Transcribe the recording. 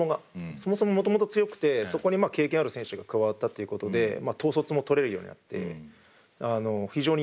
そもそももともと強くてそこに経験ある選手が加わったということで統率も取れるようになって非常にやっかいですね。